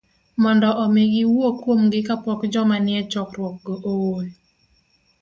mondo omi giwuo kuomgi kapok joma nie chokruok go ool